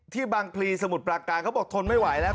บางพลีสมุทรปราการเขาบอกทนไม่ไหวแล้ว